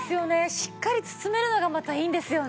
しっかり包めるのがまたいいんですよね。